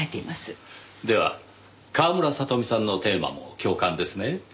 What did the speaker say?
では川村里美さんのテーマも共感ですね。